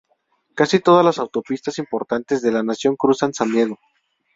Casi todas las autopistas importantes de la nación cruzan San Diego.